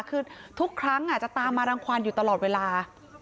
คือทุกครั้งจะตามมารังความอยู่ตลอดเวลา